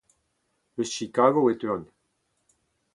Eus Chigago e teuan.